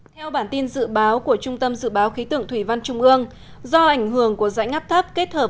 theo bản tin dự báo của trung tâm dự báo khí tượng thủy văn trung ương do ảnh hưởng của dãy ngắp thấp kết hợp